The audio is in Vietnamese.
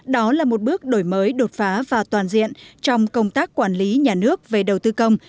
đó là một bước đổi mới đột phá và toàn diện trong công tác quản lý nhà nước về đầu tư công